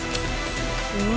うわ！